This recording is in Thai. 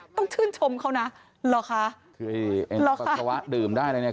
ต้องชื่นชมเขานะเหรอคะคือไอ้ปัสสาวะดื่มได้อะไรเนี่ย